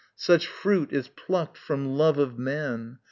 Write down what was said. Such fruit is plucked From love of man!